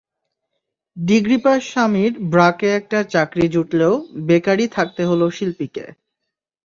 Degree pass স্বামীর ব্র্যাকে একটা চাকরি জুটলেও বেকারই থাকতে হলো শিল্পীকে।